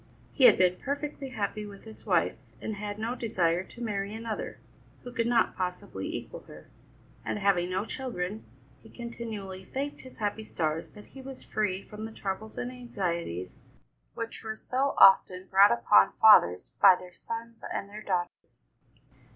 He had been perfectly happy with his wife, and had no desire to marry another, who could not possibly equal her; and, having no children, he continually thanked his happy stars that he was free from the troubles and anxieties which were so often brought upon fathers by their sons and their daughters.